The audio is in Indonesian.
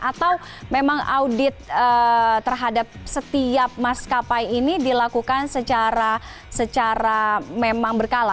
atau memang audit terhadap setiap maskapai ini dilakukan secara memang berkala